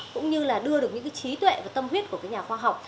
cũng như đưa được những trí tuệ và tâm huyết của nhà khoa học